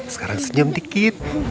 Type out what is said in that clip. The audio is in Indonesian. sekarang senyum dikit